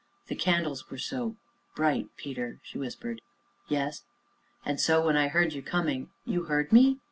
"The candles were so bright, Peter," she whispered. "Yes." "And so when I heard you coming " "You heard me?"